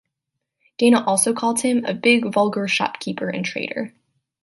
Dana also called him a "big vulgar shop-keeper and trader".